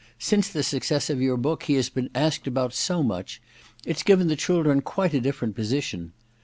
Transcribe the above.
Since the success of your book he has been asked about so much — ^it*s given the children quite a different position.